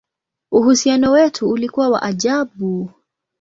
Uhusiano wetu ulikuwa wa ajabu!